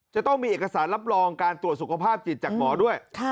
จะต้องมีเอกสารรับรองการตรวจสุขภาพจิตจากหมอด้วย